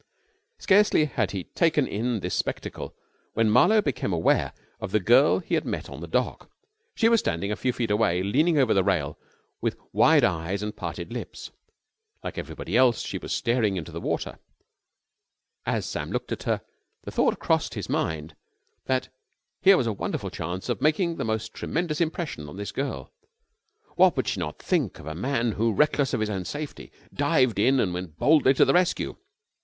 Scarcely had he taken in this spectacle when Marlowe became aware of the girl he had met on the dock. She was standing a few feet away leaning out over the rail with wide eyes and parted lips. Like everybody else she was staring into the water. As Sam looked at her the thought crossed his mind that here was a wonderful chance of making the most tremendous impression on this girl. What would she not think of a man who, reckless of his own safety, dived in and went boldly to the rescue?